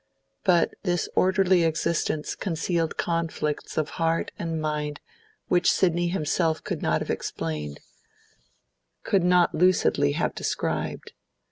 But this orderly existence concealed conflicts of heart and mind which Sidney himself could not have explained, could not lucidly have described.